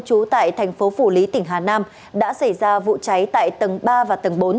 trú tại thành phố phủ lý tỉnh hà nam đã xảy ra vụ cháy tại tầng ba và tầng bốn